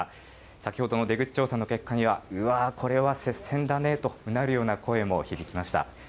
先ほどの出口調査の結果には、これは接戦だねとうなるような声も響きました。